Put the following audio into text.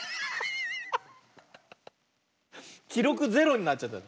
きろくゼロになっちゃった。